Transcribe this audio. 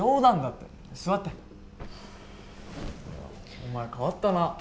お前変わったな。